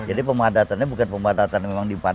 iya jadi pemadatannya bukan pemadatan yang di padat